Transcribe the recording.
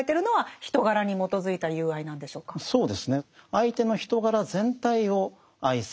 相手の人柄全体を愛する。